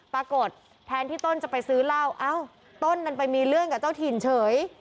ปรากฏแทนที่ต้นจะไปซื้อเหล้าเอ้าต้นมันไปมีเรื่องกับเจ้าถิ่นเฉย